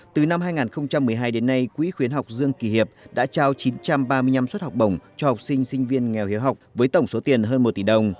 từ năm hai nghìn một mươi hai đến nay quỹ khuyến học dương kỳ hiệp đã trao chín trăm ba mươi năm suất học bổng cho học sinh sinh viên nghèo hiếu học với tổng số tiền hơn một tỷ đồng